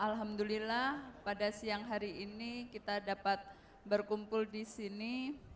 alhamdulillah pada siang hari ini kita dapat berkumpul di sini